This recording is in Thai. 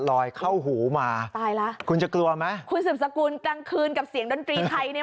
เข้าหูมาตายแล้วคุณจะกลัวไหมคุณสืบสกุลกลางคืนกับเสียงดนตรีไทยเนี่ย